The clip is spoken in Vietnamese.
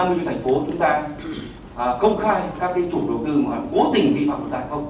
và sở có định phối hợp với sở cơ đầu tư để tham lưu cho thành phố chúng ta công khai các chủ đầu tư mà cố tình vi phạm chúng ta không